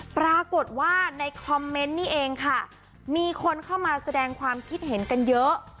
ปรากฏว่าในคอมเมนต์นี่เองค่ะมีคนเข้ามาแสดงความคิดเห็นกันเยอะ